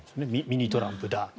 ミニトランプだと。